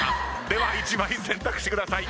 では１枚選択してください。